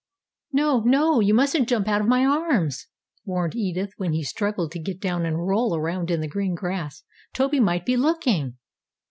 "No, no, you mustn't jump out of my arms!" warned Edith when he struggled to get down and roll around in the green grass. "Toby might be looking."